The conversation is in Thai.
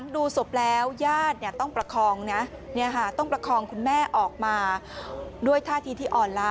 ดูศพแล้วยาดต้องประคองคุณแม่ออกมาด้วยท่าทีที่อ่อนลา